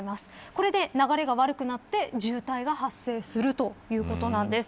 これで流れが悪くなって渋滞が発生するということなんです。